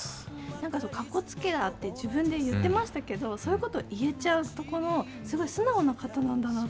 何かかっこつけだって自分で言ってましたけどそういうこと言えちゃうとこのすごい素直な方なんだなって。